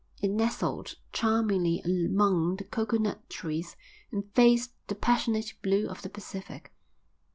It nestled charmingly among the coconut trees and faced the passionate blue of the Pacific.